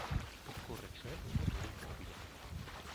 Occorre cioè un Motore immobile.